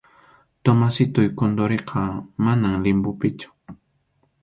Tomasitoy Condoriqa, manam limbopichu.